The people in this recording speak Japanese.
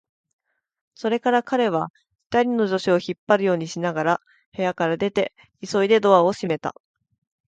それから彼は、二人の助手を引っ張るようにしながら部屋から出て、急いでドアを閉めた。